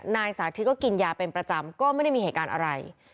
นายสาธิตก็กินยาเป็นประจำก็ไม่ได้มีเหตุการณ์อะไร